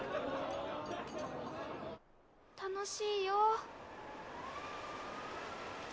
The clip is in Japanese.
楽しいよ。